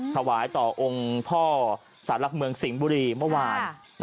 ถวายต่อองค์พ่อสารหลักเมืองสิงห์บุรีเมื่อวาน